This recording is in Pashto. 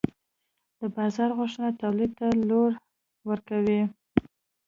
د بازار غوښتنه تولید ته لوری ورکوي.